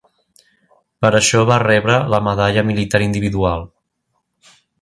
Per això va rebre la Medalla Militar Individual.